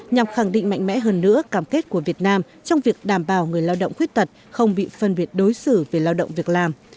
nhằm khẳng định mạnh mẽ hơn nữa cảm kết của việt nam trong việc đảm bảo người lao động khuyết tật không bị phân biệt đối xử về lao động việc làm